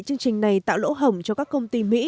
chương trình này tạo lỗ hổng cho các công ty mỹ